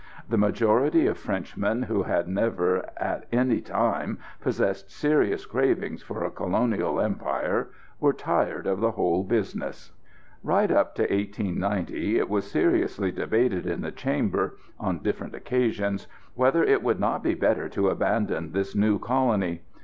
The majority of Frenchmen who had never at any time possessed serious cravings for a Colonial Empire, were tired of the whole business. [Illustration: RIVER SCENE AT HAÏPHONG.] Right up to 1890 it was seriously debated in the Chamber, on different occasions, whether it would not be better to abandon this new colony.